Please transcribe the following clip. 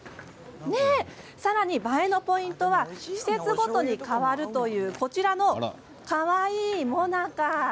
さらに映えのポイントは季節ごとに変わるというこちらのかわいらしい、もなかです。